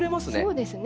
そうですね。